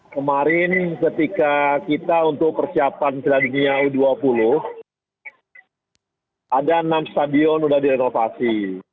kemarin ketika kita untuk persiapan piala dunia u dua puluh ada enam stadion sudah direnovasi